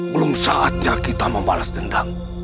belum saatnya kita membalas dendam